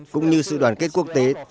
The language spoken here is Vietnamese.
cũng như sự đoàn kết quốc tế